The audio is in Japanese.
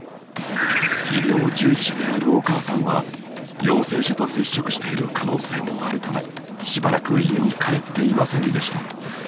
医療従事者であるお母さんは陽性者と接触している可能性もあるためしばらく家に帰っていませんでした